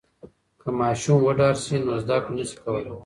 که ماشوم وډار سي نو زده کړه نسي کولای.